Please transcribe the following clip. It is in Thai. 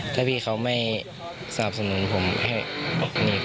ถ้าพี่เขาไม่สนับสนุนผมให้บอกนี่